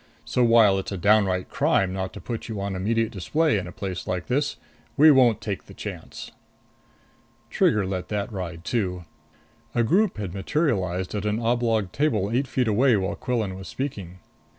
So while it's a downright crime not to put you on immediate display in a place like this, we won't take the chance." Trigger let that ride too. A group had materialized at an oblong table eight feet away while Quillan was speaking.